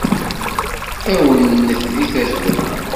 Awennet di tazwara.